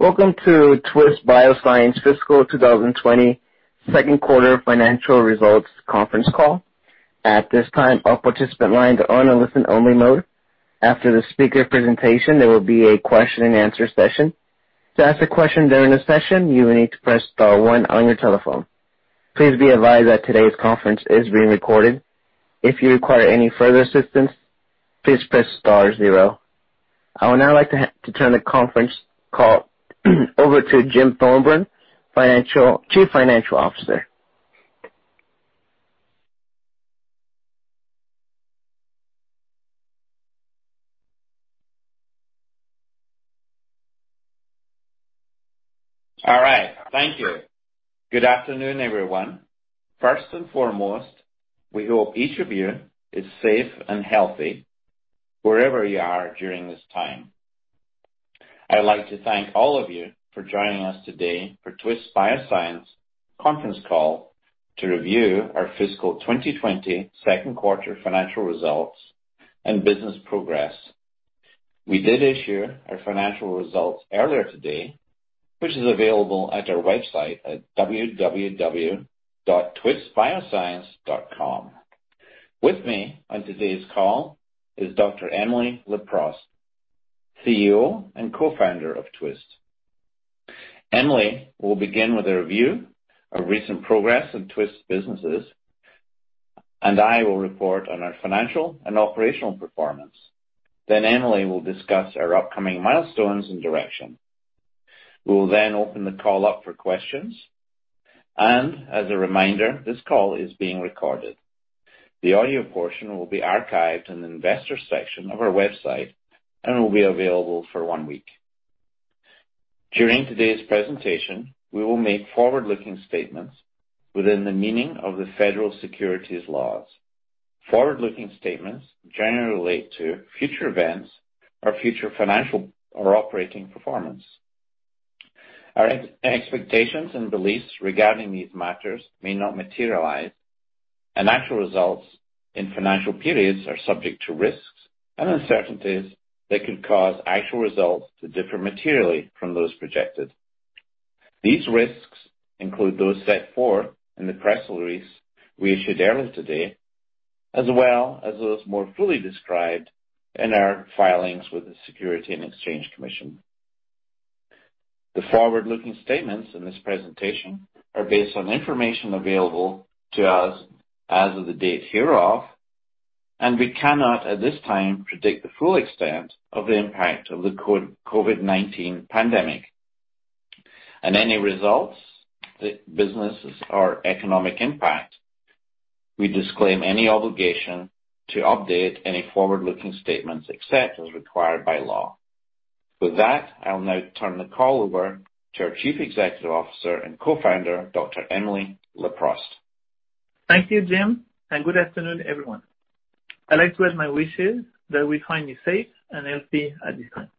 Welcome to Twist Bioscience fiscal 2020 second quarter financial results conference call. At this time, all participant lines are on a listen-only mode. After the speaker presentation, there will be a question and answer session. To ask a question during the session, you will need to press star one on your telephone. Please be advised that today's conference is being recorded. If you require any further assistance, please press star zero. I would now like to turn the conference call over to Jim Thorburn, Chief Financial Officer. All right. Thank you. Good afternoon, everyone. First and foremost, we hope each of you is safe and healthy wherever you are during this time. I'd like to thank all of you for joining us today for Twist Bioscience conference call to review our fiscal 2020 second quarter financial results and business progress. We did issue our financial results earlier today, which is available at our website at www.twistbioscience.com. With me on today's call is Dr. Emily Leproust, CEO and Co-founder of Twist. Emily will begin with a review of recent progress in Twist's businesses. I will report on our financial and operational performance. Emily will discuss our upcoming milestones and direction. We will then open the call up for questions. As a reminder, this call is being recorded. The audio portion will be archived in the Investor section of our website and will be available for one week. During today's presentation, we will make forward-looking statements within the meaning of the federal securities laws. Forward-looking statements generally relate to future events, or future financial, or operating performance. Our expectations and beliefs regarding these matters may not materialize, and actual results in financial periods are subject to risks and uncertainties that could cause actual results to differ materially from those projected. These risks include those set forth in the press release we issued earlier today, as well as those more fully described in our filings with the Securities and Exchange Commission. The forward-looking statements in this presentation are based on information available to us as of the date hereof, and we cannot, at this time, predict the full extent of the impact of the COVID-19 pandemic and any results, businesses or economic impact. We disclaim any obligation to update any forward-looking statements except as required by law. With that, I'll now turn the call over to our Chief Executive Officer and Co-founder, Dr Emily Leproust. Thank you, Jim. Good afternoon, everyone. I'd like to add my wishes that we find you safe and healthy at this time.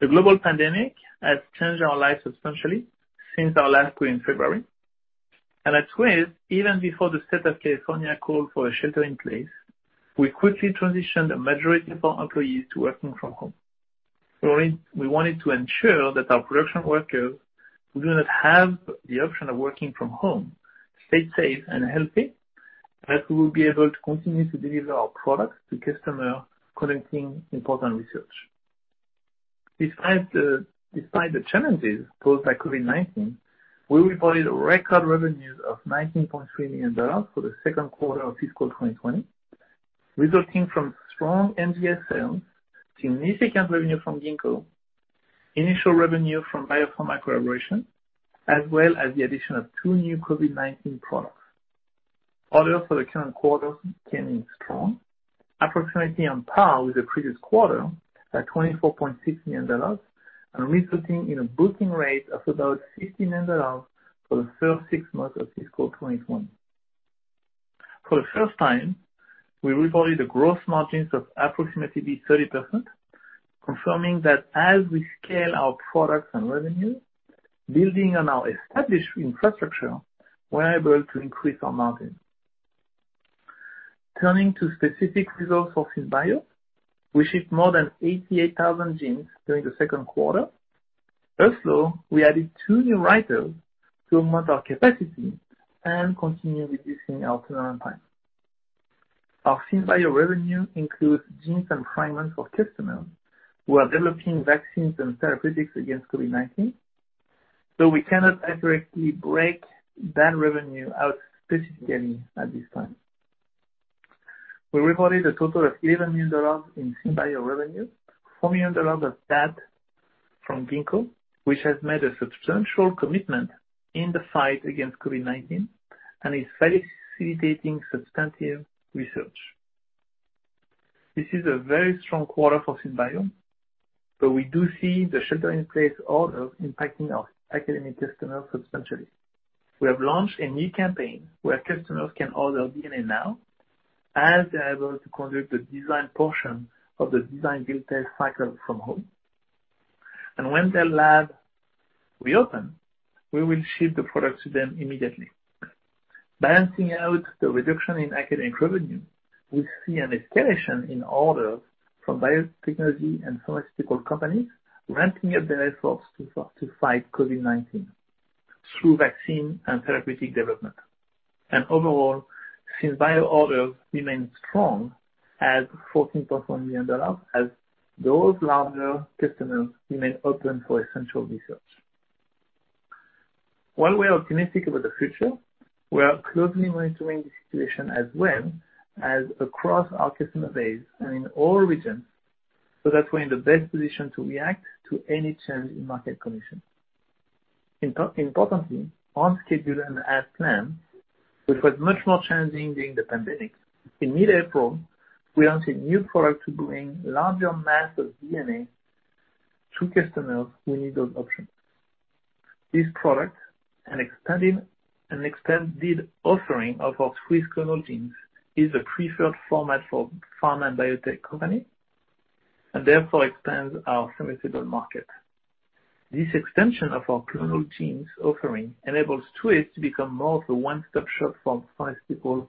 The global pandemic has changed our lives substantially since our last call in February. At Twist, even before the state of California called for a shelter-in-place, we quickly transitioned a majority of our employees to working from home. We wanted to ensure that our production workers who do not have the option of working from home stay safe and healthy, and that we will be able to continue to deliver our products to customers conducting important research. Despite the challenges posed by COVID-19, we reported record revenues of $19.3 million for the second quarter of fiscal 2020, resulting from strong NGS sales, significant revenue from Ginkgo, initial revenue from biopharma collaboration, as well as the addition of two new COVID-19 products. Orders for the current quarter came in strong, approximately on par with the previous quarter at $24.6 million, resulting in a booking rate of about $50 million for the first six months of fiscal 2020. For the first time, we reported gross margins of approximately 30%, confirming that as we scale our products and revenue, and building on our established infrastructure, we're able to increase our margin. Turning to specific results for SynBio, we shipped more than 88,000 genes during the second quarter. Also, we added two new writers to augment our capacity and continue reducing our turnaround time. Our SynBio revenue includes genes and fragments for customers who are developing vaccines and therapeutics against COVID-19, so we cannot accurately break that revenue out specifically at this time. We reported a total of $11 million in SynBio revenue, $4 million of that from Ginkgo, which has made a substantial commitment in the fight against COVID-19 and is facilitating substantive research. This is a very strong quarter for SynBio, but we do see the shelter-in-place order impacting our academic customers substantially. We have launched a new campaign where customers can order DNA now, as they're able to conduct the design portion of the design build test cycle from home. When their lab reopens, we will ship the product to them immediately. Balancing out the reduction in academic revenue, we see an escalation in orders from biotechnology and pharmaceutical companies ramping up their efforts to fight COVID-19 through vaccine and therapeutic development. Overall, SynBio orders remain strong at $14.1 million, as those larger customers remain open for essential research. While we are optimistic about the future, we are closely monitoring the situation as well as across our customer base and in all regions, so that we're in the best position to react to any change in market conditions. Importantly, on schedule and as planned, which was much more challenging during the pandemic, in mid-April, we launched a new product to bring larger masses of DNA to customers who need those options. This product, an expanded offering of our Twist Clonal Genes, is the preferred format for pharma and biotech companies, and therefore expands our addressable market. This extension of our clonal genes offering enables Twist to become more of a one-stop shop for pharmaceutical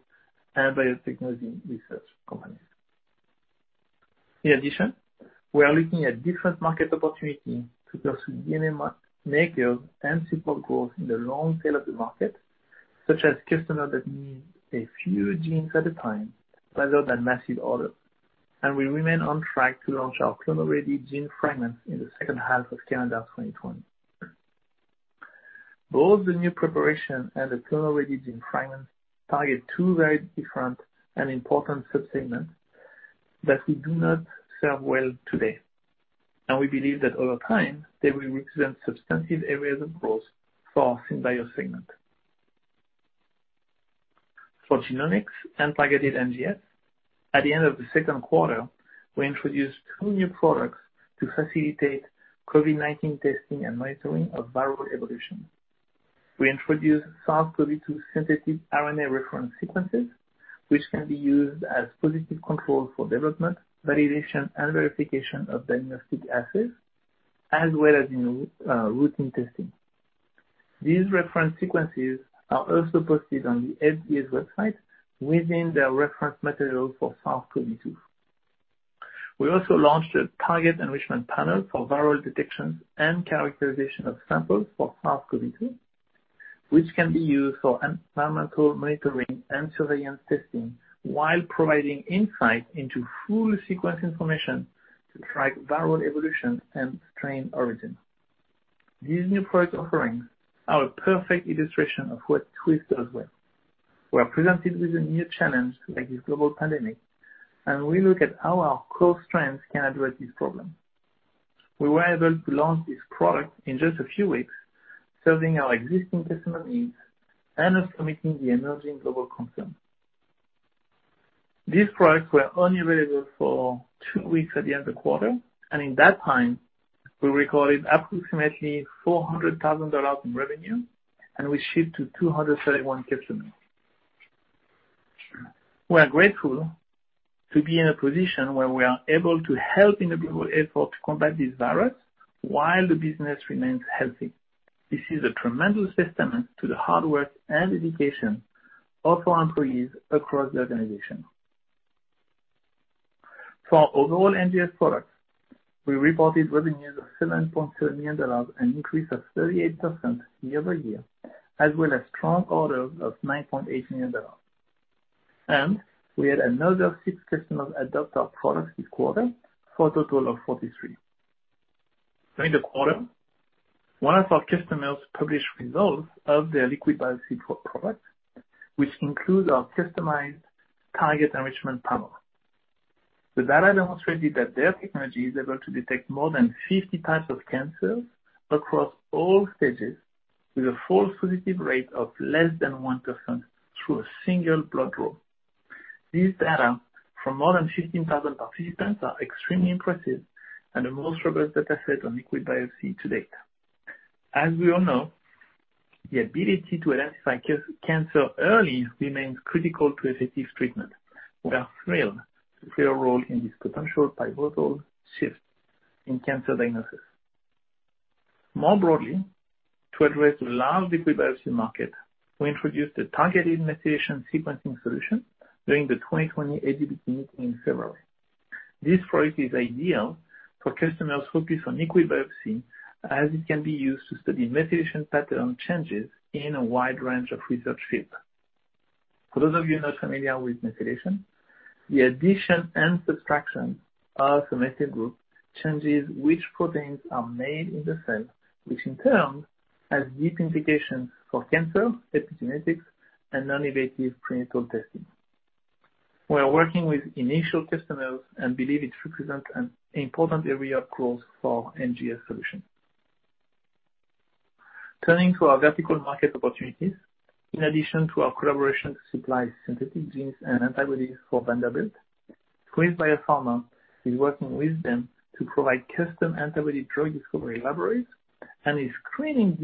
and biotechnology research companies. In addition, we are looking at different market opportunities to pursue DNA makers and support growth in the long tail of the market, such as customers that need a few genes at a time, rather than massive orders. We remain on track to launch our Clonal-Ready Gene Fragments in the second half of calendar 2020. Both the new preparation and the Clonal-Ready Gene Fragments target two very different and important sub-segments that we do not serve well today, and we believe that over time, they will represent substantive areas of growth for our SynBio segment. For genomics and targeted NGS, at the end of the second quarter, we introduced two new products to facilitate COVID-19 testing and monitoring of viral evolution. We introduced SARS-CoV-2 synthetic RNA reference sequences, which can be used as positive controls for development, validation, and verification of diagnostic assays, as well as in routine testing. These reference sequences are also posted on the FDA's website within their reference materials for SARS-CoV-2. We also launched a target enrichment panel for viral detection and characterization of samples for SARS-CoV-2, which can be used for environmental monitoring and surveillance testing while providing insight into full sequence information to track viral evolution and strain origin. These new product offerings are a perfect illustration of what Twist does well. We're presented with a new challenge, like this global pandemic, and we look at how our core strengths can address this problem. We were able to launch this product in just a few weeks, serving our existing customer needs and also meeting the emerging global concern. These products were only available for two weeks at the end of the quarter, and in that time, we recorded approximately $400,000 in revenue, and we shipped to 231 customers. We are grateful to be in a position where we are able to help in the global effort to combat this virus while the business remains healthy. This is a tremendous testament to the hard work and dedication of our employees across the organization. For our overall NGS products, we reported revenues of $7.7 million, an increase of 38% year-over-year, as well as strong orders of $9.8 million. We had another six customers adopt our products this quarter for a total of 43. During the quarter, one of our customers published results of their liquid biopsy product, which includes our customized target enrichment panel. The data demonstrated that their technology is able to detect more than 50 types of cancers across all stages with a false positive rate of less than 1% through a single blood draw. These data from more than 15,000 participants are extremely impressive and the most robust data set on liquid biopsy to date. As we all know, the ability to identify cancer early remains critical to effective treatment. We are thrilled to play a role in this potential pivotal shift in cancer diagnosis. More broadly, to address the large liquid biopsy market, we introduced a targeted methylation sequencing solution during the 2020 AGBT meeting in February. This product is ideal for customers focused on liquid biopsy, as it can be used to study methylation pattern changes in a wide range of research fields. For those of you not familiar with methylation, the addition and subtraction of a methyl group changes which proteins are made in the cell, which in turn has deep implications for cancer, epigenetics, and non-invasive pre-natal testing. We are working with initial customers and believe it represents an important area of growth for NGS solutions. Turning to our vertical market opportunities, in addition to our collaboration to supply synthetic genes and antibodies for Vanderbilt, Twist Bioscience is working with them to provide custom antibody drug discovery libraries and is screening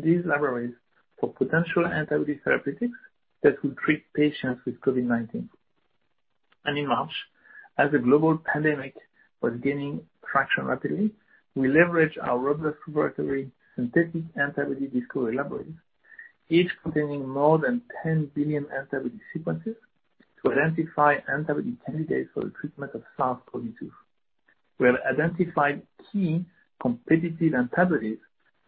these libraries for potential antibody therapeutics that could treat patients with COVID-19. In March, as the global pandemic was gaining traction rapidly, we leveraged our robust laboratory synthetic antibody discovery laboratories, each containing more than 10 billion antibody sequences to identify antibody candidates for the treatment of SARS-CoV-2. We have identified key competitive antibodies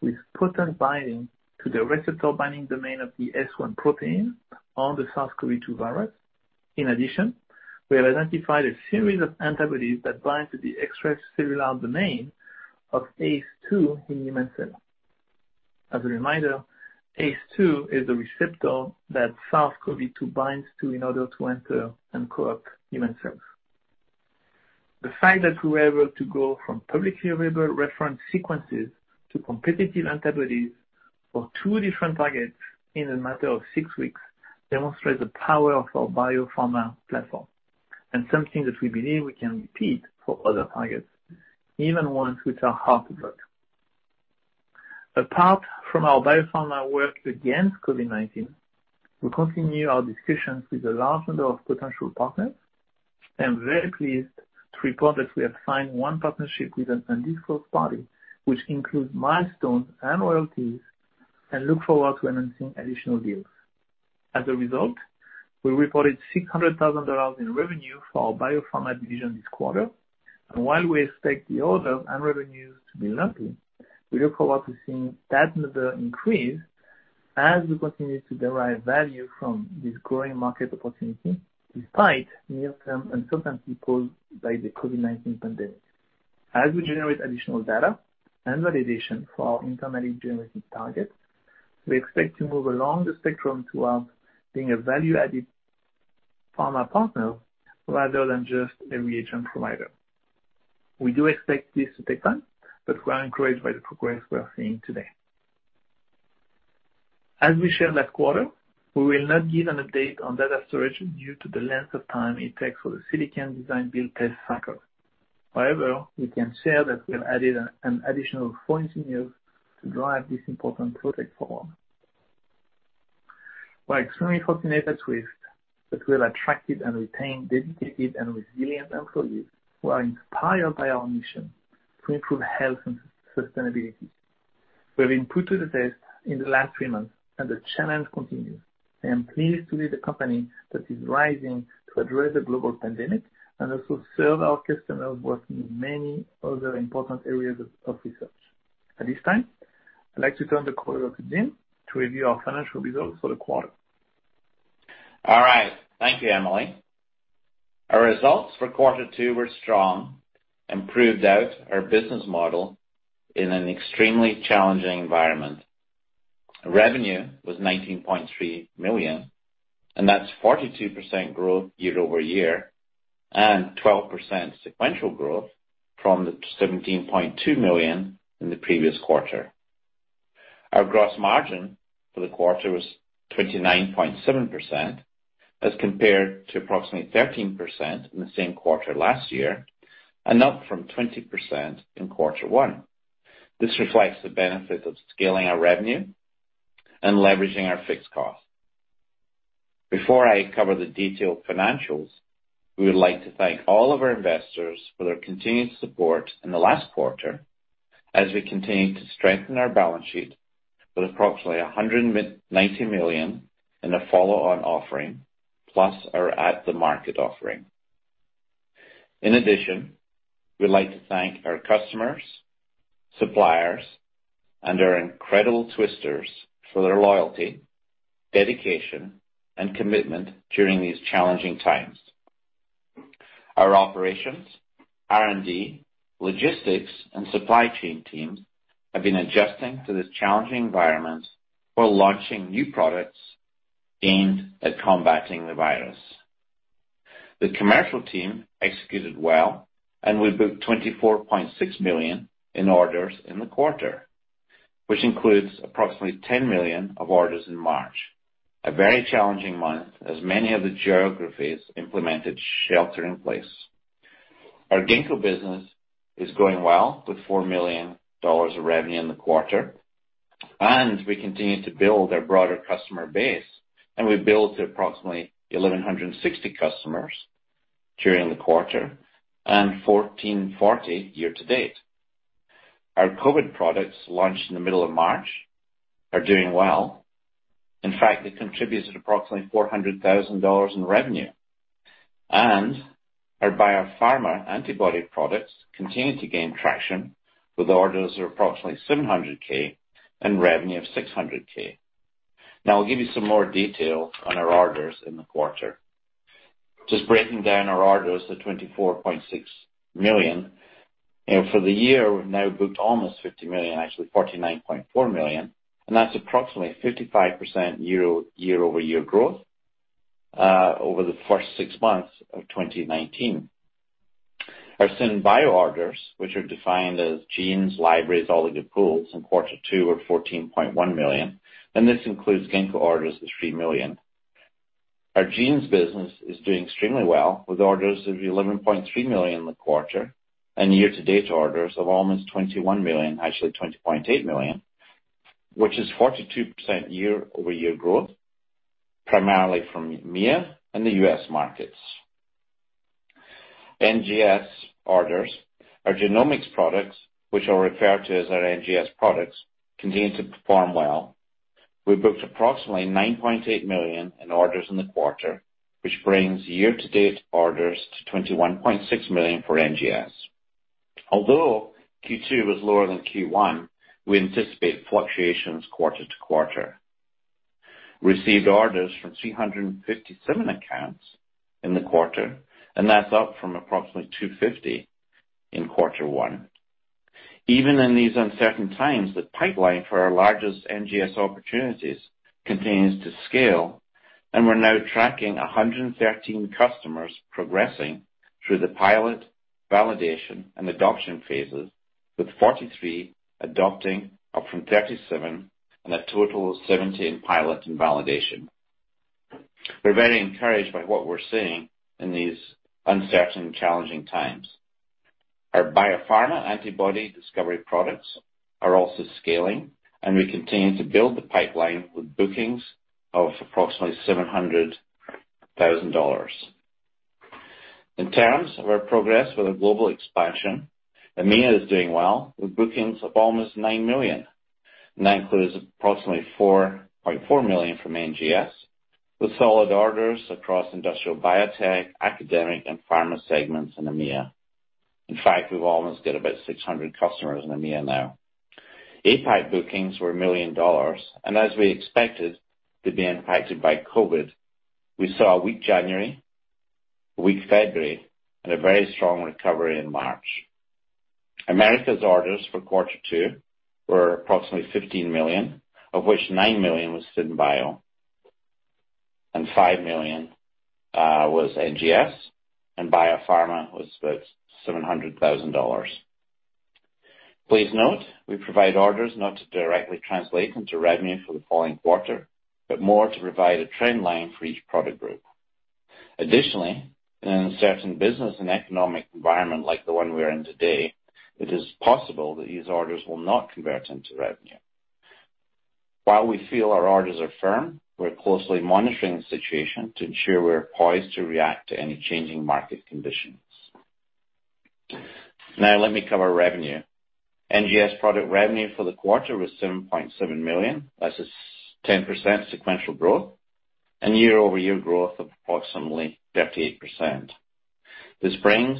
with potent binding to the receptor binding domain of the S1 protein on the SARS-CoV-2 virus. In addition, we have identified a series of antibodies that bind to the extracellular domain of ACE2 in human cells. As a reminder, ACE2 is a receptor that SARS-CoV-2 binds to in order to enter and co-opt human cells. The fact that we were able to go from publicly available reference sequences to competitive antibodies for two different targets in a matter of six weeks demonstrates the power of our biopharma platform, and something that we believe we can repeat for other targets, even ones which are hard to drug. Apart from our biopharma work against COVID-19, we continue our discussions with a large number of potential partners. I am very pleased to report that we have signed one partnership with an undisclosed party, which includes milestones and royalties, and look forward to announcing additional deals. As a result, we reported $600,000 in revenue for our biopharma division this quarter. While we expect the orders and revenues to be lumpy, we look forward to seeing that number increase as we continue to derive value from this growing market opportunity, despite near-term uncertainty posed by the COVID-19 pandemic. As we generate additional data and validation for our internally generated targets, we expect to move along the spectrum towards being a value-added pharma partner rather than just a reagent provider. We do expect this to take time, but we are encouraged by the progress we are seeing today. As we shared last quarter, we will not give an update on data storage due to the length of time it takes for the silicon design build test cycle. However, we can share that we have added an additional four engineers to drive this important project forward. We are extremely fortunate at Twist that we have attracted and retained dedicated and resilient employees who are inspired by our mission to improve health and sustainability. We've been put to the test in the last three months and the challenge continues. I am pleased to lead a company that is rising to address the global pandemic and also serve our customers working in many other important areas of research. At this time, I'd like to turn the call over to Jim to review our financial results for the quarter. All right. Thank you, Emily. Our results for quarter two were strong and proved out our business model in an extremely challenging environment. Revenue was $19.3 million. That's 42% growth year-over-year, 12% sequential growth from the $17.2 million in the previous quarter. Our gross margin for the quarter was 29.7% as compared to approximately 13% in the same quarter last year, up from 20% in quarter one. This reflects the benefit of scaling our revenue and leveraging our fixed cost. Before I cover the detailed financials, we would like to thank all of our investors for their continued support in the last quarter as we continue to strengthen our balance sheet with approximately $190 million in a follow-on offering, plus our at the market offering. In addition, we'd like to thank our customers, suppliers, and our incredible Twisters for their loyalty, dedication, and commitment during these challenging times. Our operations, R&D, logistics, and supply chain teams have been adjusting to this challenging environment while launching new products aimed at combating the virus. The commercial team executed well, and we booked $24.6 million in orders in the quarter, which includes approximately $10 million of orders in March, a very challenging month as many of the geographies implemented shelter-in-place. Our Ginkgo business is going well with $4 million of revenue in the quarter. We continue to build our broader customer base. We built approximately 1,160 customers during the quarter and 1,440 year-to-date. Our COVID products launched in the middle of March are doing well. In fact, they contributed approximately $400,000 in revenue. Our biopharma antibody products continue to gain traction with orders of approximately $700,000 and revenue of $600,000. Now, I'll give you some more detail on our orders in the quarter. Just breaking down our orders to $24.6 million. For the year, we've now booked almost $50 million, actually $49.4 million, and that's approximately 55% year-over-year growth, over the first six months of 2019. Our SynBio orders, which are defined as genes, libraries, oligopools in quarter two or $14.1 million, and this includes Ginkgo orders of $3 million. Our genes business is doing extremely well with orders of $11.3 million in the quarter and year-to-date orders of almost $21 million, actually $20.8 million, which is 42% year-over-year growth, primarily from EMEA and the U.S. markets. NGS orders, our genomics products, which are referred to as our NGS products, continue to perform well. We booked approximately $9.8 million in orders in the quarter, which brings year-to-date orders to $21.6 million for NGS. Although Q2 was lower than Q1, we anticipate fluctuations quarter-to-quarter. We received orders from 357 accounts in the quarter. That's up from approximately 250 in quarter one. Even in these uncertain times, the pipeline for our largest NGS opportunities continues to scale, and we're now tracking 113 customers progressing through the pilot, validation, and adoption phases, with 43 adopting up from 37, and a total of 17 pilot in validation. We're very encouraged by what we're seeing in these uncertain, challenging times. Our biopharma antibody discovery products are also scaling, and we continue to build the pipeline with bookings of approximately $700,000. In terms of our progress with our global expansion, EMEA is doing well with bookings of almost $9 million, and that includes approximately $4.4 million from NGS, with solid orders across industrial biotech, academic, and pharma segments in EMEA. In fact, we've almost got about 600 customers in EMEA now. APAC bookings were $1 million. As we expected to be impacted by COVID-19, we saw a weak January, a weak February, and a very strong recovery in March. America's orders for quarter two were approximately $15 million, of which $9 million was SynBio and $5 million was NGS. Biopharma was about $700,000. Please note, we provide orders not to directly translate into revenue for the following quarter, but more to provide a trend line for each product group. Additionally, in an uncertain business and economic environment like the one we're in today, it is possible that these orders will not convert into revenue. While we feel our orders are firm, we're closely monitoring the situation to ensure we're poised to react to any changing market conditions. Now let me cover revenue. NGS product revenue for the quarter was $7.7 million. This is 10% sequential growth and year-over-year growth of approximately 38%. This brings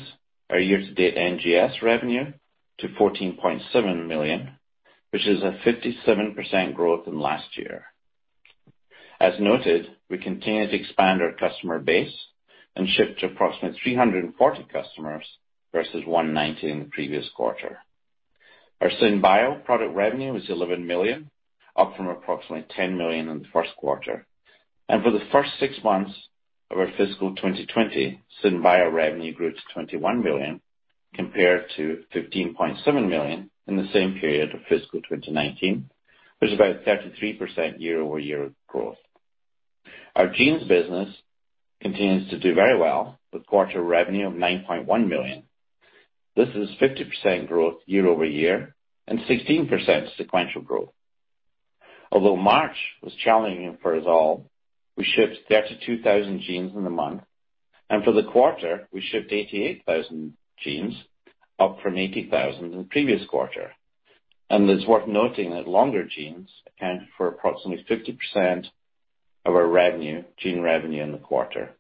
our year-to-date NGS revenue to $14.7 million, which is a 57% growth from last year. As noted, we continue to expand our customer base and ship to approximately 340 customers versus 190 in the previous quarter. Our SynBio product revenue was $11 million, up from approximately $10 million in the first quarter. For the first six months of our fiscal 2020, SynBio revenue grew to $21 million, compared to $15.7 million in the same period of fiscal 2019. That's about 33% year-over-year growth. Our genes business continues to do very well, with quarter revenue of $9.1 million. This is 50% growth year-over-year and 16% sequential growth. Although March was challenging for us all, we shipped 32,000 genes in the month, and for the quarter, we shipped 88,000 genes, up from 80,000 in the previous quarter. It's worth noting that longer genes accounted for approximately 50% of our gene revenue in the quarter.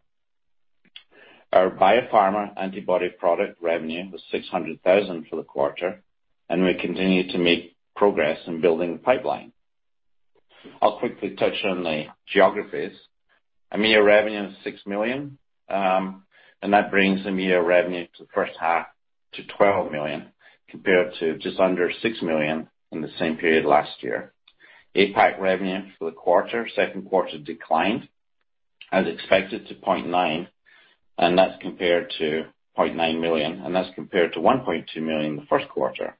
Our biopharma antibody product revenue was $600,000 for the quarter, and we continue to make progress in building the pipeline. I'll quickly touch on the geographies. EMEA revenue is $6 million, and that brings EMEA revenue to the first half to $12 million compared to just under $6 million in the same period last year. APAC revenue for the quarter, second quarter declined as expected to $900,000, and that's compared to $900,000, and that's compared to $1.2 million the first quarter.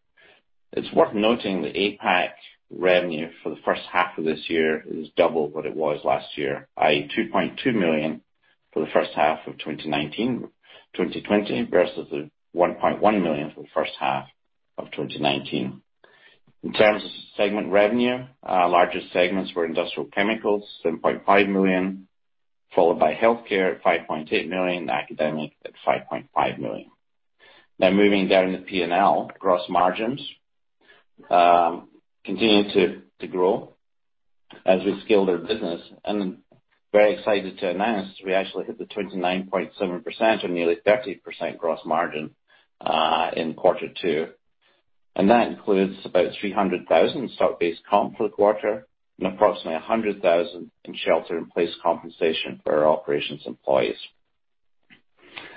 It's worth noting that APAC revenue for the first half of this year is double what it was last year, i.e., $2.2 million for the first half of 2020 versus the $1.1 million for the first half of 2019. In terms of segment revenue, our largest segments were industrial chemicals, $7.5 million, followed by healthcare at $5.8 million, academic at $5.5 million. Moving down the P&L. Gross margins, continuing to grow as we scale their business and very excited to announce we actually hit the 29.7% or nearly 30% gross margin, in quarter two. That includes about $300,000 in stock-based comp for the quarter and approximately $100,000 in shelter-in-place compensation for our operations employees.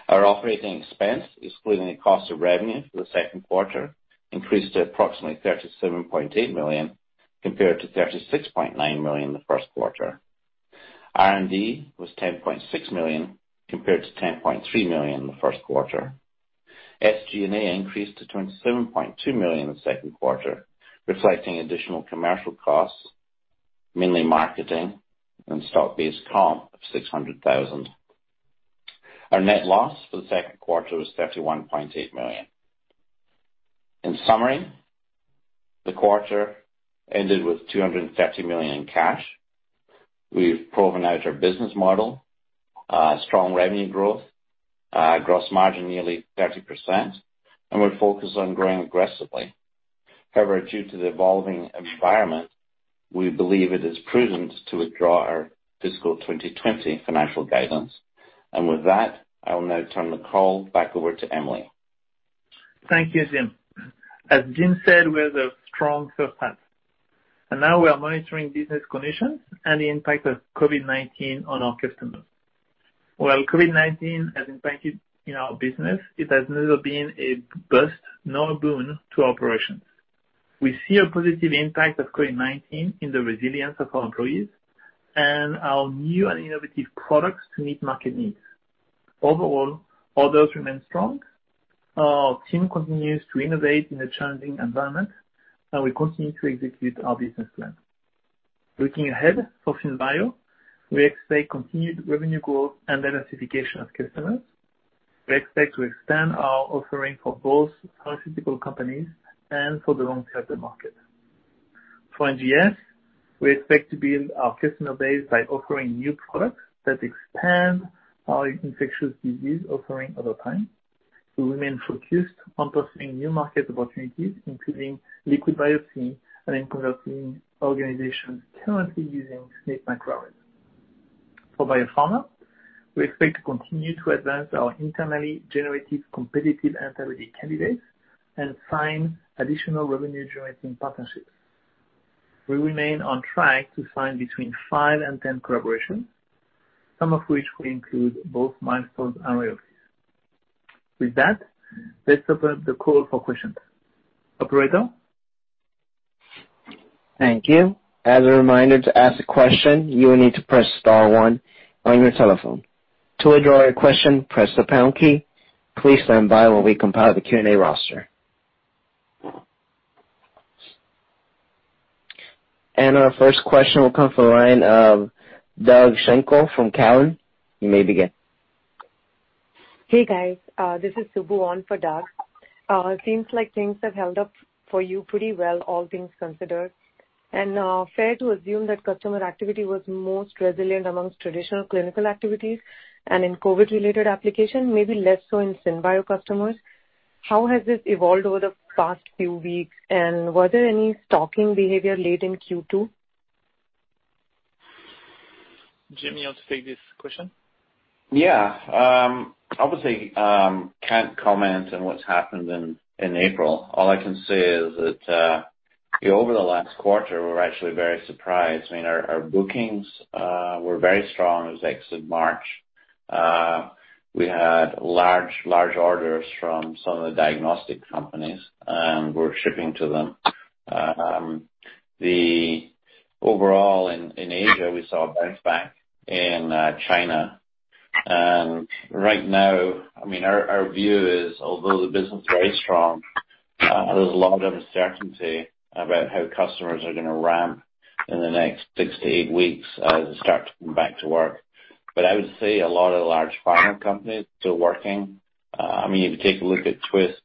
Our operating expense, excluding the cost of revenue for the second quarter, increased to approximately $37.8 million compared to $36.9 million in the first quarter. R&D was $10.6 million compared to $10.3 million in the first quarter. SG&A increased to $27.2 million in the second quarter, reflecting additional commercial costs, mainly marketing and stock-based comp of $600,000. Our net loss for the second quarter was $31.8 million. In summary, the quarter ended with $230 million in cash. We've proven out our business model, strong revenue growth, gross margin nearly 30%, and we're focused on growing aggressively. However, due to the evolving environment, we believe it is prudent to withdraw our fiscal 2020 financial guidance. With that, I will now turn the call back over to Emily. Thank you, Jim. As Jim said, we had a strong first half. Now we are monitoring business conditions and the impact of COVID-19 on our customers. While COVID-19 has impacted our business, it has neither been a bust nor a boon to our operations. We see a positive impact of COVID-19 in the resilience of our employees and our new and innovative products to meet market needs. Overall, orders remain strong. Our team continues to innovate in a challenging environment, and we continue to execute our business plan. Looking ahead, for SynBio, we expect continued revenue growth and diversification of customers. We expect to expand our offering for both pharmaceutical companies and for the long term market. For NGS, we expect to build our customer base by offering new products that expand our infectious disease offering over time. We remain focused on pursuing new market opportunities, including liquid biopsy and on converting organizations currently using SNP microarrays. For Biopharma, we expect to continue to advance our internally generated competitive antibody candidates and sign additional revenue-generating partnerships. We remain on track to sign between five and 10 collaborations, some of which will include both milestones and royalties. With that, let's open the call for questions. Operator? Thank you. As a reminder, to ask a question, you will need to press star one on your telephone. To withdraw your question, press the pound key. Please stand by while we compile the Q&A roster. Our first question will come from the line of Doug Schenkel from Cowen. You may begin. Hey, guys. This is Subbu on for Doug. It seems like things have held up for you pretty well, all things considered. Fair to assume that customer activity was most resilient amongst traditional clinical activities and in COVID-related application, maybe less so in SynBio customers. How has this evolved over the past few weeks, and were there any stocking behavior late in Q2? Jim, you want to take this question? Yeah. Obviously, can't comment on what's happened in April. All I can say is that over the last quarter, we're actually very surprised. I mean, our bookings were very strong as late as March. We had large orders from some of the diagnostic companies, and we're shipping to them. Overall in Asia, we saw a bounce back in China. Right now, our view is although the business is very strong, there's a lot of uncertainty about how customers are going to ramp in the next six to eight weeks as they start to come back to work. I would say a lot of the large pharma companies are still working. If you take a look at Twist,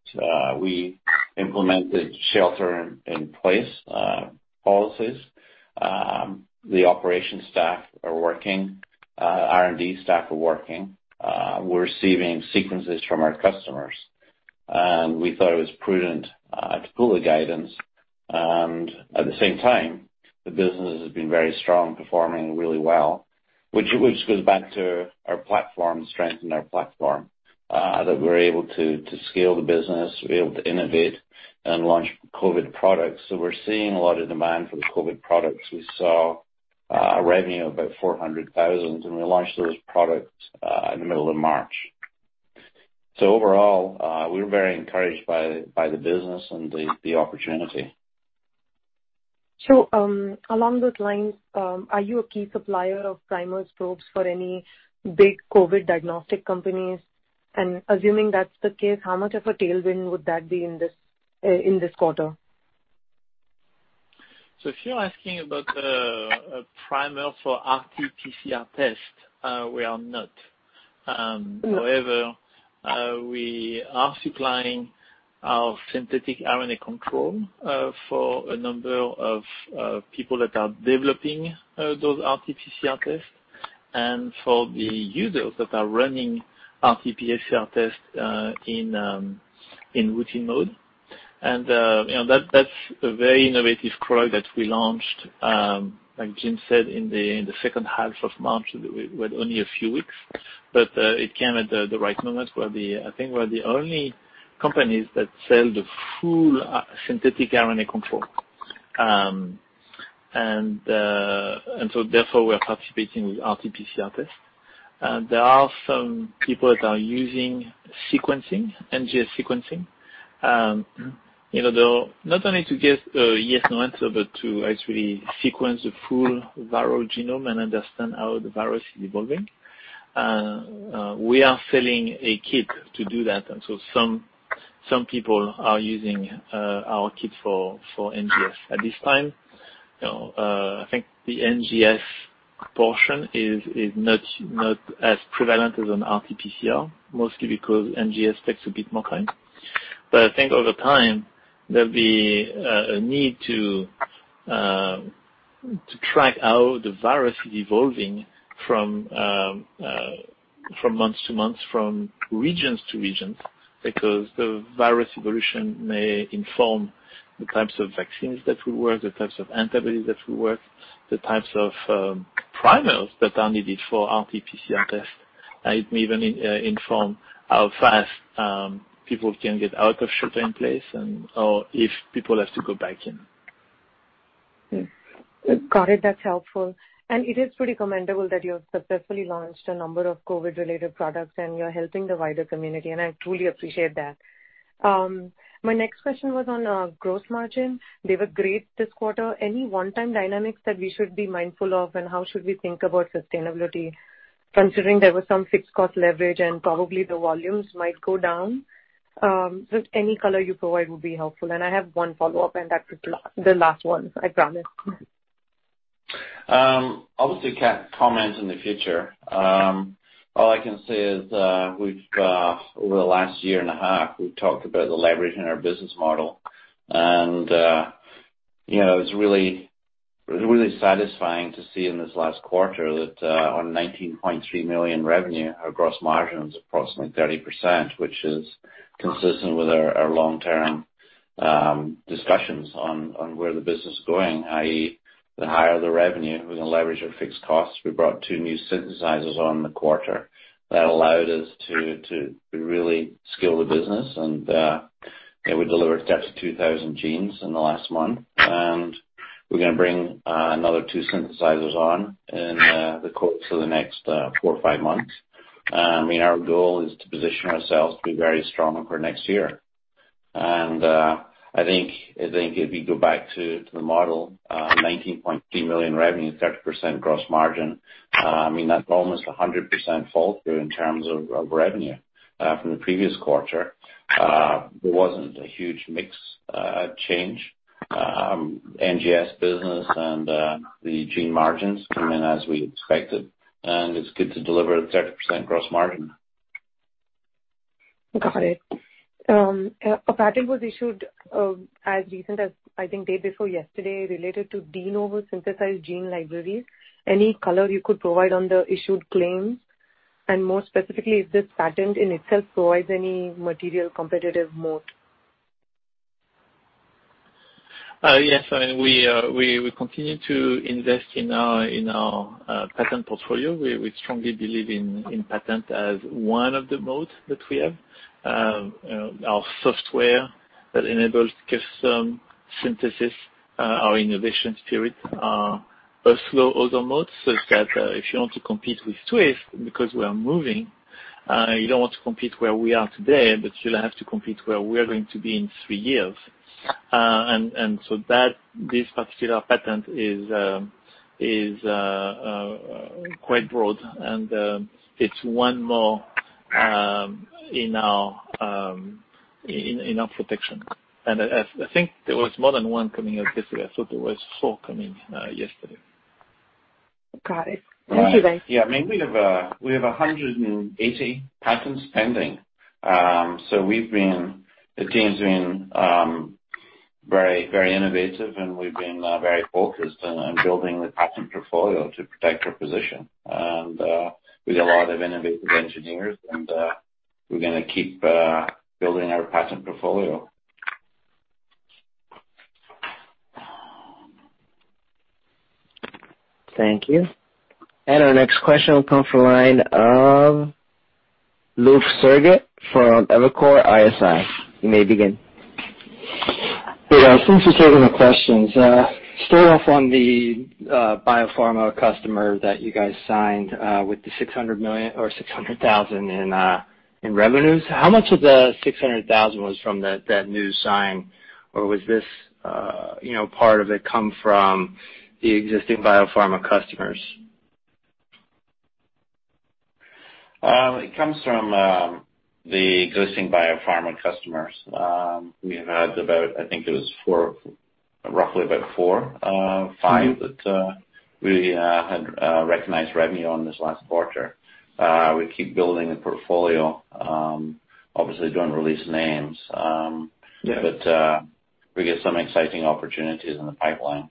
we implemented shelter-in-place policies. The operations staff are working, R&D staff are working. We're receiving sequences from our customers. We thought it was prudent to pull the guidance and at the same time, the business has been very strong, performing really well, which goes back to our platform strength and our platform, that we're able to scale the business. We're able to innovate and launch COVID products. We're seeing a lot of demand for the COVID products. We saw a revenue of about $400,000, and we launched those products in the middle of March. Overall, we're very encouraged by the business and the opportunity. Along those lines, are you a key supplier of primers, probes for any big COVID diagnostic companies? Assuming that's the case, how much of a tailwind would that be in this quarter? If you're asking about a primer for RT-PCR test, we are not. No. However, we are supplying our synthetic RNA control for a number of people that are developing those RT-PCR tests and for the users that are running RT-PCR tests in routine mode. That is a very innovative product that we launched, like Jim said, in the second half of March with only a few weeks, but it came at the right moment where I think we're the only companies that sell the full synthetic RNA control. Therefore, we are participating with RT-PCR tests. There are some people that are using NGS sequencing. Not only to get a yes, no answer, but to actually sequence the full viral genome and understand how the virus is evolving. We are selling a kit to do that, some people are using our kit for NGS. At this time, I think the NGS portion is not as prevalent as an RT-PCR, mostly because NGS takes a bit more time. I think over time, there'll be a need to track how the virus is evolving from months to months, from regions to regions, because the virus evolution may inform the types of vaccines that will work, the types of antibodies that will work, the types of primers that are needed for RT-PCR tests. It may even inform how fast people can get out of shelter-in-place and/or if people have to go back in. That's helpful. It is pretty commendable that you have successfully launched a number of COVID-related products and you're helping the wider community, and I truly appreciate that. My next question was on gross margin. They were great this quarter. Any one-time dynamics that we should be mindful of, and how should we think about sustainability considering there was some fixed cost leverage and probably the volumes might go down? Just any color you provide would be helpful. I have one follow-up, and that is the last one, I promise. Obviously, can't comment on the future. All I can say is, over the last year and a half, we've talked about the leverage in our business model. It's really satisfying to see in this last quarter that on $19.3 million revenue, our gross margin was approximately 30%, which is consistent with our long-term discussions on where the business is going, i.e., the higher the revenue with the leverage of fixed costs. We brought two new synthesizers on the quarter. That allowed us to really scale the business and we delivered up to 32,000 genes in the last month, and we're going to bring another two synthesizers on in the course of the next four or five months. Our goal is to position ourselves to be very strong for next year. I think if you go back to the model, $19.3 million revenue, 30% gross margin, that's almost 100% flow through in terms of revenue from the previous quarter. There wasn't a huge mix change. NGS business and the gene margins came in as we expected. It's good to deliver a 30% gross margin. Got it. A patent was issued as recent as, I think, day before yesterday related to de novo synthesized gene libraries. Any color you could provide on the issued claims, and more specifically, if this patent in itself provides any material competitive mode? Yes. We continue to invest in our patent portfolio. We strongly believe in patent as one of the modes that we have. Our software that enables custom synthesis, our innovation spirit are also other modes, such that if you want to compete with Twist because we are moving, you don't want to compete where we are today, but you'll have to compete where we are going to be in three years. This particular patent is quite broad and it's one more in our protection. I think there was more than one coming yesterday. I thought there was four coming yesterday. Got it. Thank you. Yeah, we have 180 patents pending. The team's been very innovative and we've been very focused on building the patent portfolio to protect our position. We've got a lot of innovative engineers and we're going to keep building our patent portfolio. Thank you. Our next question will come from the line of Luke Sergott from Evercore ISI. You may begin. Hey, guys. Thanks for taking the questions. Starting off on the biopharma customer that you guys signed with the $600,000 in revenues, how much of the $600,000 was from that new sign or was this part of it come from the existing biopharma customers? It comes from the existing biopharma customers. We had about, I think it was roughly about four, five that we had recognized revenue on this last quarter. We keep building the portfolio. Obviously don't release names. We get some exciting opportunities in the pipeline.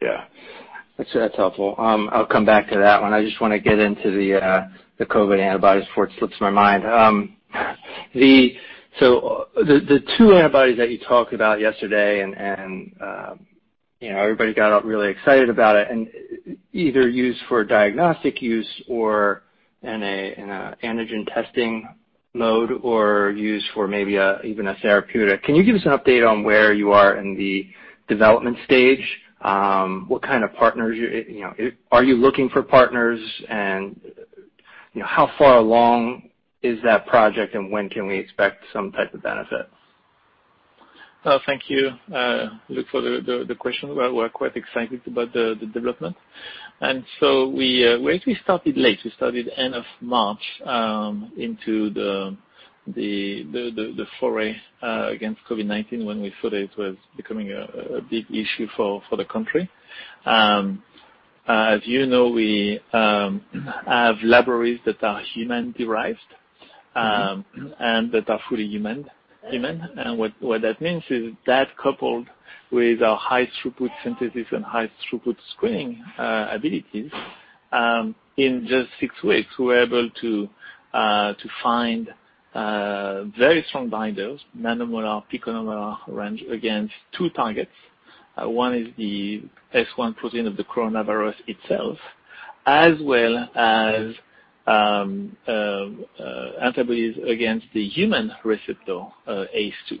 Yeah. Actually, that's helpful. I'll come back to that one. I just want to get into the COVID antibodies before it slips my mind. The two antibodies that you talked about yesterday and everybody got really excited about it and either used for diagnostic use or in a antigen testing mode or used for maybe even a therapeutic. Can you give us an update on where you are in the development stage? What kind of partners? Are you looking for partners and how far along is that project and when can we expect some type of benefit? Thank you, Luke, for the question. We're quite excited about the development. We actually started late. We started end of March into the foray against COVID-19 when we thought it was becoming a big issue for the country. As you know, we have libraries that are human-derived and that are fully human. What that means is that coupled with our high throughput synthesis and high throughput screening abilities, in just six weeks, we were able to find very strong binders, nanomolar, picomolar range against two targets. One is the S1 protein of the coronavirus itself, as well as antibodies against the human receptor, ACE2.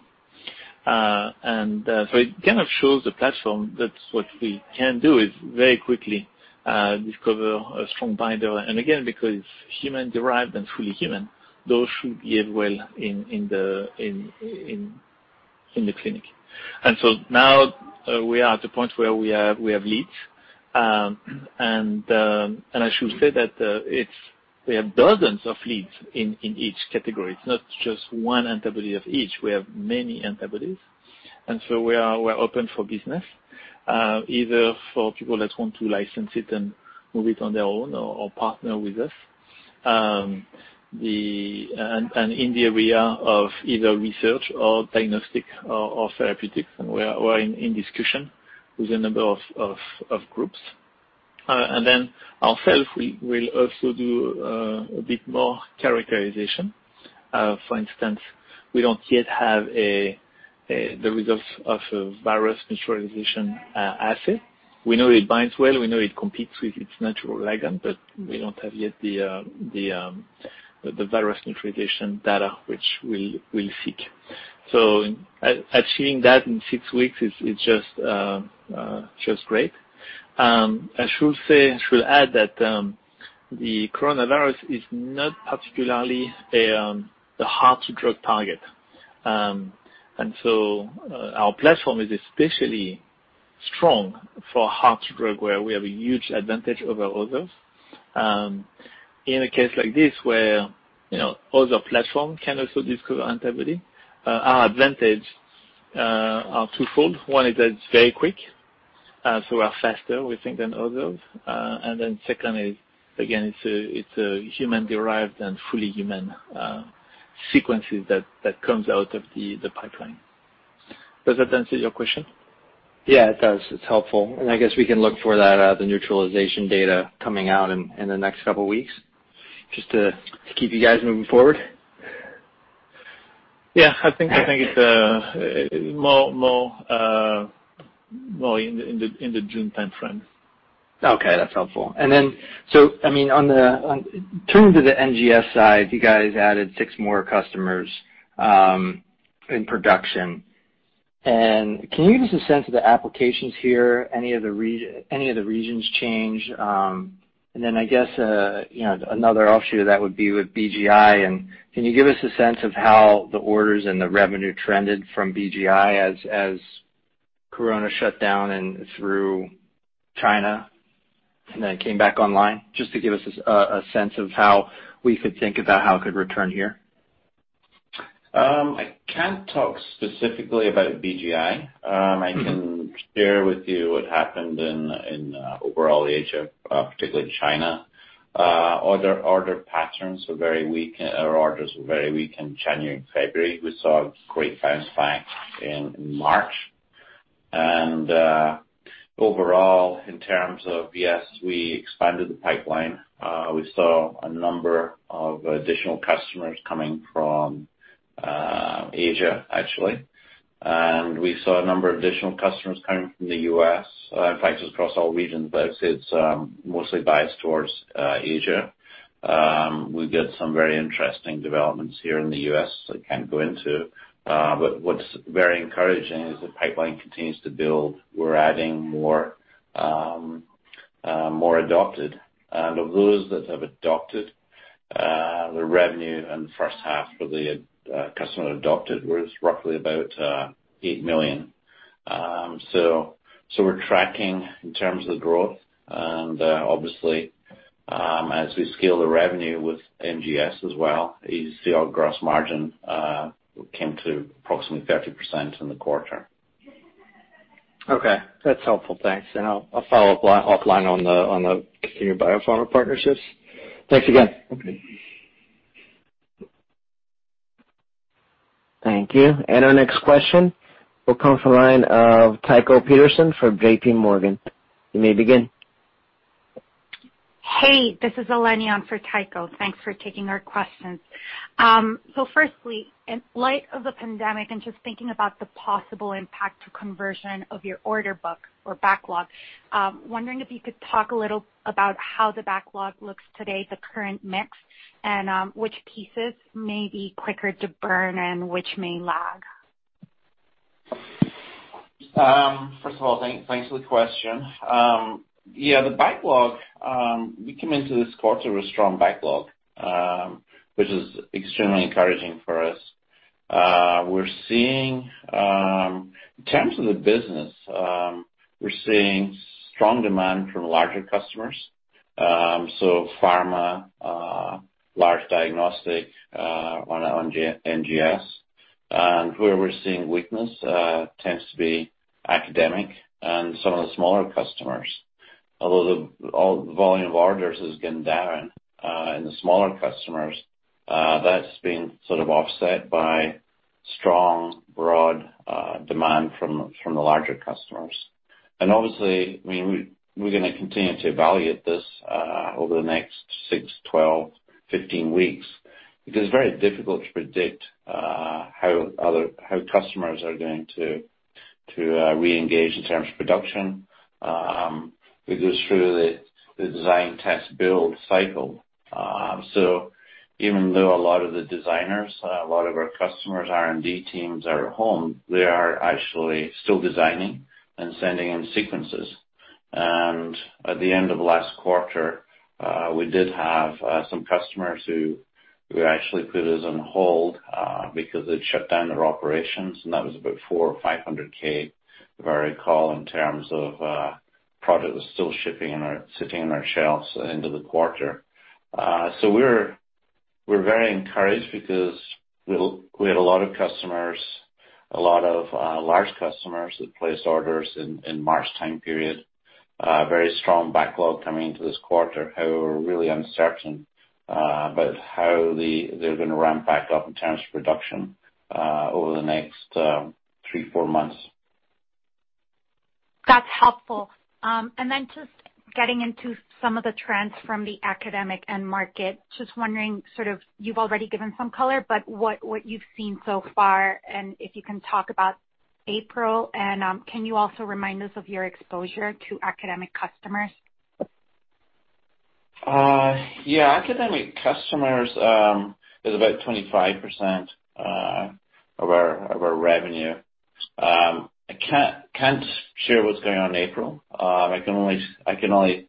It kind of shows the platform that what we can do is very quickly discover a strong binder. Again, because human-derived and fully human, those should behave well in the clinic. Now we are at the point where we have leads. I should say that we have dozens of leads in each category. It's not just one antibody of each. We have many antibodies. We're open for business, either for people that want to license it and move it on their own or partner with us. In the area of either research or diagnostic or therapeutics, and we're in discussion with a number of groups. Ourself, we'll also do a bit more characterization. For instance, we don't yet have the results of a virus neutralization assay. We know it binds well. We know it competes with its natural ligand, but we don't have yet the virus neutralization data, which we'll seek. Achieving that in six weeks is just great. I should add that the coronavirus is not particularly a hard to drug target. Our platform is especially strong for hard drug, where we have a huge advantage over others. In a case like this where other platforms can also discover antibody, our advantage are twofold. One is that it's very quick, so we're faster, we think, than others. Then secondly, again, it's a human-derived and fully human sequences that comes out of the pipeline. Does that answer your question? Yeah, it does. It's helpful. I guess we can look for that, the neutralization data coming out in the next couple of weeks, just to keep you guys moving forward? Yeah, I think it's more in the June timeframe. Okay, that's helpful. Turning to the NGS side, you guys added six more customers in production. Can you give us a sense of the applications here? Any of the regions change? I guess another offshoot of that would be with BGI. Can you give us a sense of how the orders and the revenue trended from BGI as COVID-19 shut down and through China, and then came back online? Just to give us a sense of how we could think about how it could return here. I can't talk specifically about BGI. I can share with you what happened in overall Asia, particularly China. Orders were very weak in January and February. We saw a great bounce back in March. Overall, in terms of, yes, we expanded the pipeline. We saw a number of additional customers coming from Asia, actually. We saw a number of additional customers coming from the U.S. In fact, it's across all regions, but it's mostly biased towards Asia. We've got some very interesting developments here in the U.S. that I can't go into. What's very encouraging is the pipeline continues to build. We're adding more adopted. Of those that have adopted, the revenue in the first half for the customer adopted was roughly about $8 million. We're tracking in terms of growth. Obviously, as we scale the revenue with NGS as well, you see our gross margin came to approximately 30% in the quarter. Okay, that's helpful. Thanks. I'll follow up offline on the continued biopharma partnerships. Thanks again. Okay. Thank you. Our next question will come from the line of Tycho Peterson from JPMorgan. You may begin. Hey, this is Elenia for Tycho. Thanks for taking our questions. Firstly, in light of the pandemic and just thinking about the possible impact to conversion of your order book or backlog, wondering if you could talk a little about how the backlog looks today, the current mix, and which pieces may be quicker to burn and which may lag? First of all, thanks for the question. Yeah, the backlog, we came into this quarter with a strong backlog, which is extremely encouraging for us. In terms of the business, we're seeing strong demand from larger customers. Pharma, large diagnostic, on NGS. Where we're seeing weakness tends to be academic and some of the smaller customers. Although the volume of orders has gone down in the smaller customers, that's been sort of offset by strong, broad demand from the larger customers. Obviously, we're going to continue to evaluate this over the next six, 12, 15 weeks, because it's very difficult to predict how customers are going to reengage in terms of production. It goes through the design build test cycle. Even though a lot of the designers, a lot of our customers' R&D teams are at home, they are actually still designing and sending in sequences. At the end of last quarter, we did have some customers who actually put us on hold because they'd shut down their operations, and that was about $400,000 or $500,000, if I recall, in terms of product that was still sitting on our shelves into the quarter. We're very encouraged because we had a lot of customers, a lot of large customers that placed orders in March time period. Very strong backlog coming into this quarter. However, we're really uncertain about how they're going to ramp back up in terms of production over the next three, four months. That's helpful. Then just getting into some of the trends from the academic end market, just wondering, sort of, you've already given some color, but what you've seen so far, and if you can talk about April, and can you also remind us of your exposure to academic customers? Yeah. Academic customers is about 25% of our revenue. I can't share what's going on in April. I can only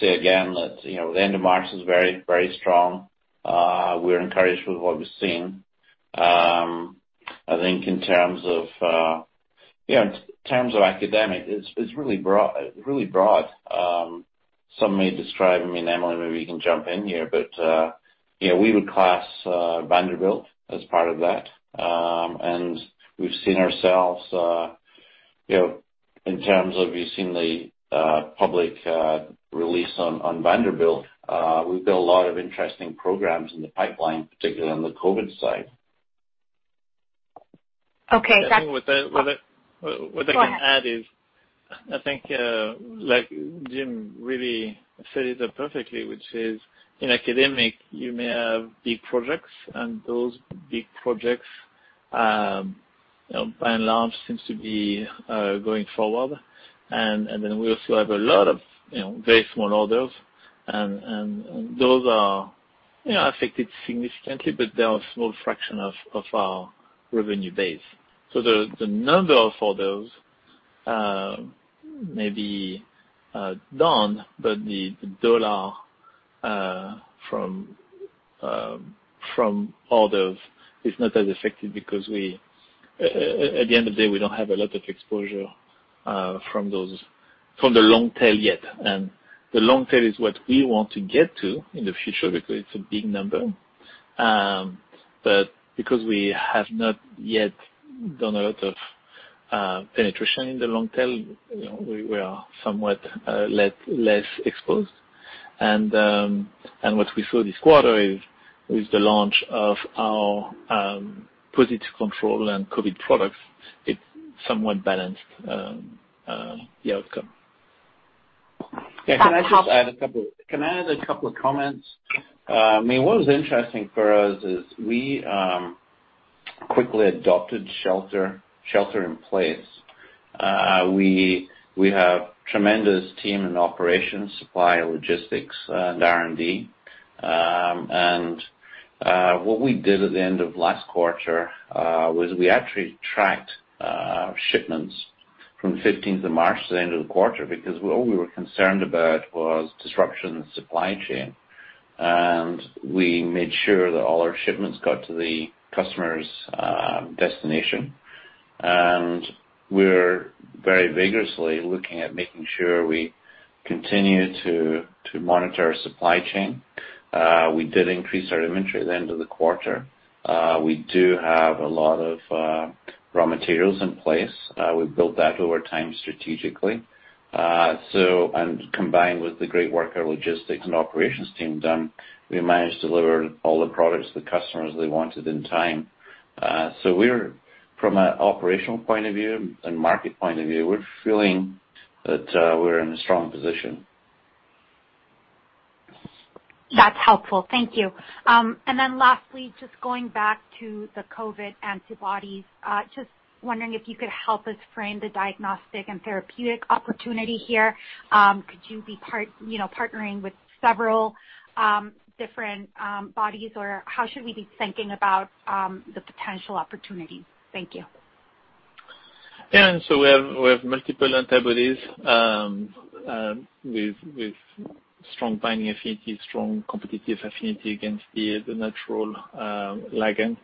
say again that the end of March was very strong. We're encouraged with what we're seeing. I think in terms of academic, it's really broad. Some may describe, Emily maybe you can jump in here, but we would class Vanderbilt as part of that. We've seen ourselves in terms of, you've seen the public release on Vanderbilt. We've built a lot of interesting programs in the pipeline, particularly on the COVID side. Okay. I think what I. Go ahead. What I can add is, I think Jim really set it up perfectly, which is, in academic, you may have big projects, and those big projects, by and large, seems to be going forward. We also have a lot of very small orders, and those are affected significantly, but they are a small fraction of our revenue base. The number of orders may be down, but the dollar from orders is not as affected because, at the end of the day, we don't have a lot of exposure from the long tail yet. The long tail is what we want to get to in the future because it's a big number. Because we have not yet done a lot of penetration in the long tail, we are somewhat less exposed. What we saw this quarter is with the launch of our positive control and COVID products, it somewhat balanced the outcome. Yeah. Can I add a couple of comments? What was interesting for us is we quickly adopted shelter-in-place. We have tremendous team and operations, supply, logistics, and R&D. What we did at the end of last quarter was we actually tracked shipments from the 15th of March to the end of the quarter because all we were concerned about was disruption in supply chain. We made sure that all our shipments got to the customer's destination. We're very vigorously looking at making sure we continue to monitor our supply chain. We did increase our inventory at the end of the quarter. We do have a lot of raw materials in place, we've built that over time strategically. Combined with the great work our logistics and operations team done, we managed to deliver all the products to the customers they wanted in time. From an operational point of view and market point of view, we're feeling that we're in a strong position. That's helpful. Thank you. Lastly, just going back to the COVID-19 antibodies, just wondering if you could help us frame the diagnostic and therapeutic opportunity here. Could you be partnering with several different bodies, or how should we be thinking about the potential opportunities? Thank you. Yeah. We have multiple antibodies with strong binding affinity, strong competitive affinity against the natural ligand.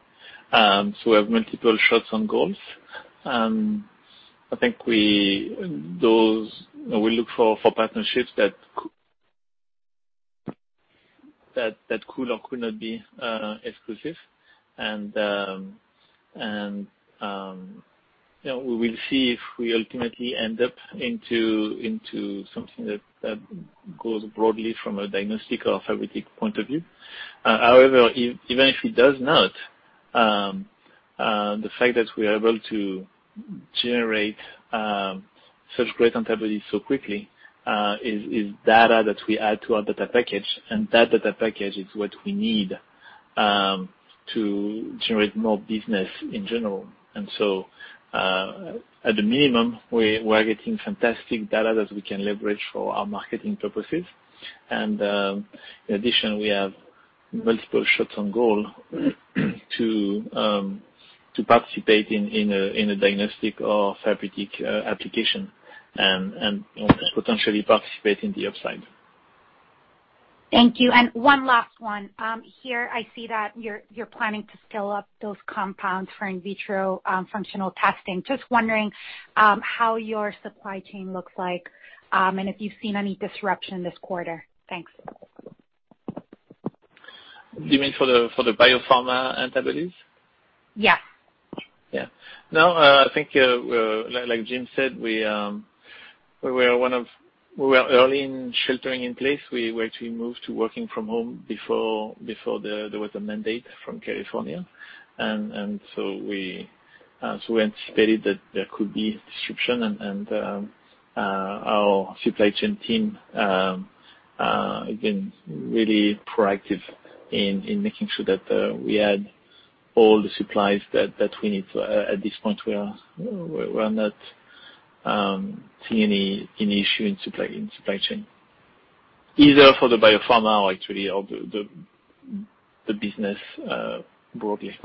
We have multiple shots on goal. I think we look for partnerships that could or could not be exclusive, and we will see if we ultimately end up into something that goes broadly from a diagnostic or therapeutic point of view. However, even if it does not, the fact that we are able to generate such great antibodies so quickly is data that we add to our data package, and that data package is what we need to generate more business in general. At the minimum, we're getting fantastic data that we can leverage for our marketing purposes. In addition, we have multiple shots on goal to participate in a diagnostic or therapeutic application, and potentially participate in the upside. Thank you. One last one. Here I see that you're planning to scale up those compounds for in vitro functional testing. Just wondering how your supply chain looks like, and if you've seen any disruption this quarter? Thanks. Do you mean for the biopharma antibodies? Yeah. Yeah. No, I think, like Jim said, we were early in sheltering-in-place. We actually moved to working from home before there was a mandate from California. We anticipated that there could be disruption and our supply chain team has been really proactive in making sure that we had all the supplies that we need. At this point, we're not seeing any issue in supply chain, either for the biopharma or actually the business broadly.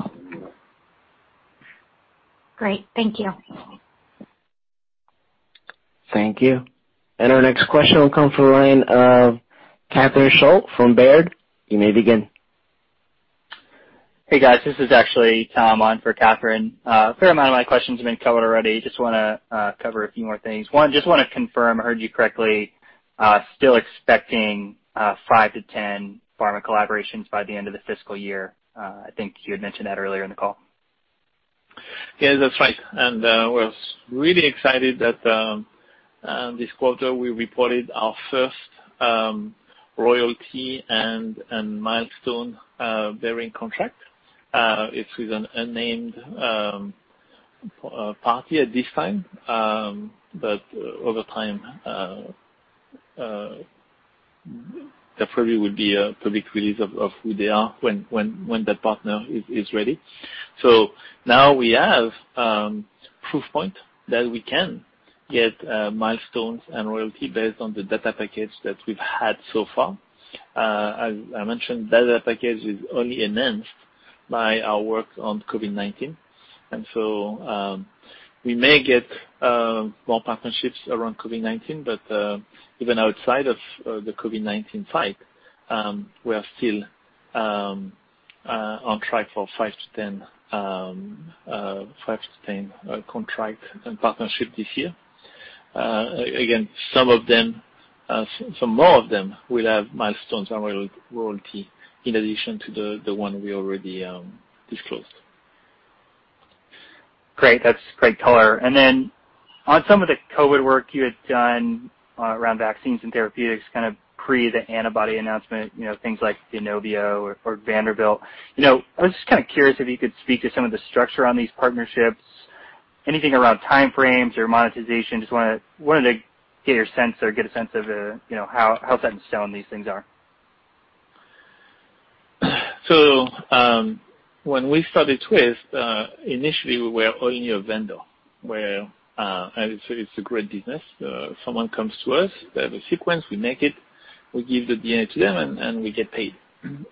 Great. Thank you. Thank you. Our next question will come from the line of Catherine Schulte from Baird. You may begin. Hey, guys. This is actually Tom on for Catherine. A fair amount of my questions have been covered already. Just want to cover a few more things. One, just want to confirm I heard you correctly. Still expecting 5-10 pharma collaborations by the end of the fiscal year. I think you had mentioned that earlier in the call? Yeah, That's right. We are really excited that this quarter we reported our first royalty and milestone bearing contract. It's with an unnamed party at this time. Over time, there probably will be a public release of who they are when that partner is ready. Now we have proof point that we can get milestones and royalty based on the data package that we have had so far. As I mentioned, that data package is only enhanced by our work on COVID-19. We may get more partnerships around COVID-19, but, even outside of the COVID-19 fight, we are still on track for 5-10 contracts and partnerships this year. Again, some more of them will have milestones and royalty in addition to the one we already disclosed. Great. That's great color. Then on some of the COVID work you had done around vaccines and therapeutics, kind of pre the antibody announcement, things like Inovio or Vanderbilt. I was just kind of curious if you could speak to some of the structure on these partnerships, anything around time frames or monetization. Just wanted to get your sense or get a sense of how set in stone these things are? When we started Twist, initially we were only a vendor where, and it's a great business. Someone comes to us, they have a sequence, we make it, we give the DNA to them, and we get paid.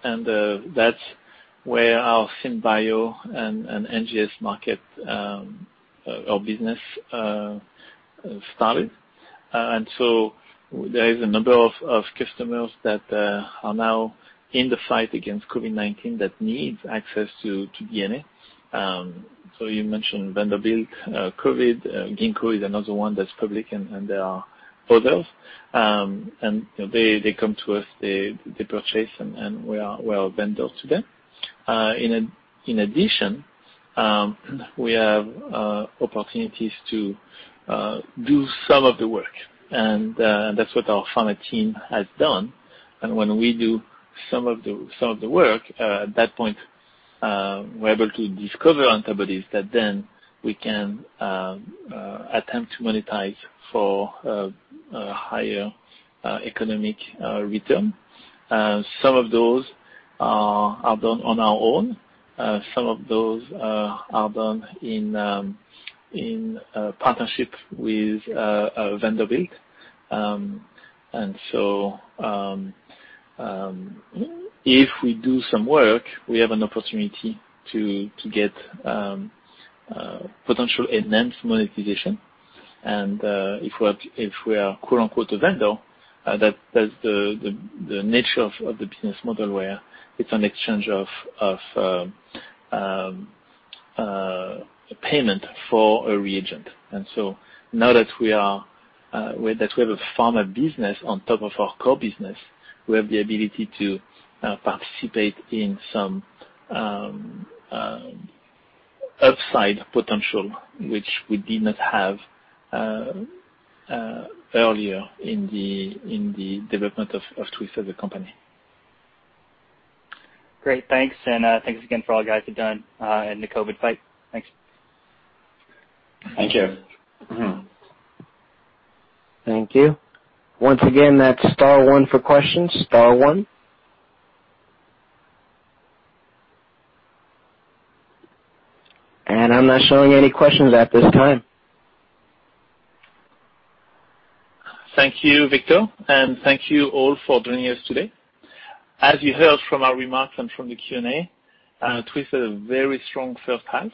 That's where our SynBio and NGS market, our business, started. There is a number of customers that are now in the fight against COVID-19 that needs access to DNA. You mentioned Vanderbilt, COVID. Ginkgo is another one that's public, and there are others. They come to us, they purchase, and we are a vendor to them. In addition, we have opportunities to do some of the work, and that's what our pharma team has done. When we do some of the work, at that point, we're able to discover antibodies that then we can attempt to monetize for a higher economic return. Some of those are done on our own. Some of those are done in partnership with Vanderbilt. If we do some work, we have an opportunity to get potential enhanced monetization. If we are quote-unquote a vendor, that's the nature of the business model where it's an exchange of payment for a reagent. Now that we have a pharma business on top of our core business, we have the ability to participate in some upside potential which we did not have earlier in the development of Twist as a company. Great, thanks. Thanks again for all you guys have done in the COVID fight. Thanks. Thank you. Thank you. Once again, that's star one for questions, star one. I'm not showing any questions at this time. Thank you, Victor, and thank you all for joining us today. As you heard from our remarks and from the Q&A, Twist had a very strong first half.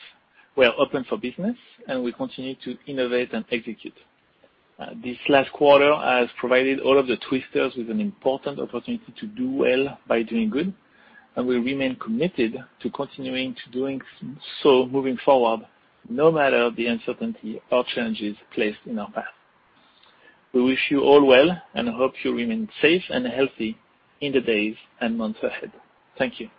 We are open for business, and we continue to innovate and execute. This last quarter has provided all of the Twisters with an important opportunity to do well by doing good, and we remain committed to continuing to doing so moving forward, no matter the uncertainty or challenges placed in our path. We wish you all well and hope you remain safe and healthy in the days and months ahead. Thank you.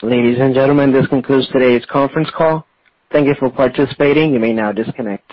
Ladies and gentlemen, this concludes today's conference call. Thank you for participating. You may now disconnect.